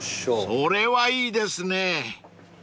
［それはいいですね］